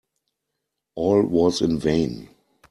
All was in vain.